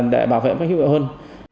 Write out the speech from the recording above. để bảo vệ các hiệu hiệu hơn